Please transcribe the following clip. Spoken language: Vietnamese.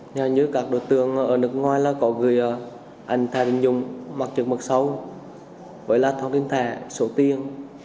nhờ như các đối tượng ở nước ngoài là có gửi ảnh thả tình dung mặt trực mặt sâu với là thông tin thẻ số tiền